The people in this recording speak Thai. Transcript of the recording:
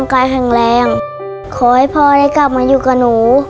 ขอให้พ่อได้กลับมาอยู่กับหนู